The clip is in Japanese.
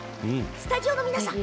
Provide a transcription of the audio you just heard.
スタジオの皆さん